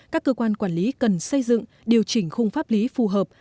các cơ quan quản lý cần xây dựng điều chỉnh khung pháp lý phù hợp